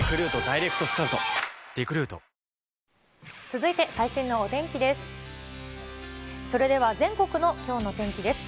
続いて最新のお天気です。